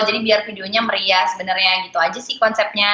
jadi biar videonya meriah sebenarnya gitu aja sih konsepnya